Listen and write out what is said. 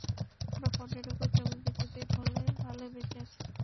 আমরা পনেরো একর জমি বেঁচে দিয়ে ভালোয় ভালোয় আছি।